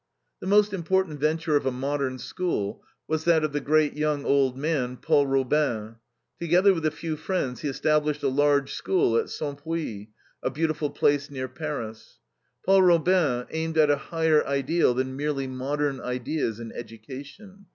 The most important venture of a Modern School was that of the great, young old man, Paul Robin. Together with a few friends he established a large school at Cempuis, a beautiful place near Paris. Paul Robin aimed at a higher ideal than merely modern ideas in education.